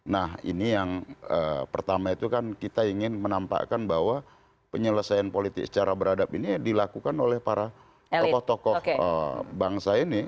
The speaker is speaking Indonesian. nah ini yang pertama itu kan kita ingin menampakkan bahwa penyelesaian politik secara beradab ini dilakukan oleh para tokoh tokoh bangsa ini